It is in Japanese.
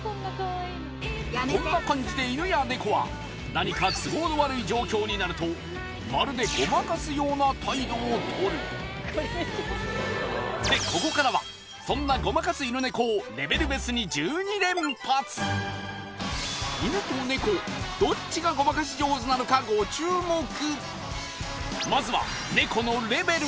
こんな感じで犬やネコは何か都合の悪い状況になるとまるでごまかすような態度をとるでここからはそんなごまかす犬ネコをレベル別に１２連発犬とネコどっちがごまかし上手なのかご注目まずはネコのレベル